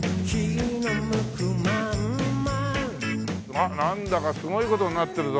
あっなんだかすごい事になってるぞ。